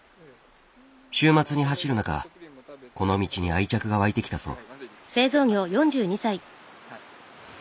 週末に走る中この道に愛着が湧いてきたそう。